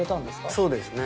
そうですね。